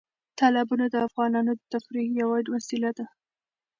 تالابونه د افغانانو د تفریح یوه وسیله ده.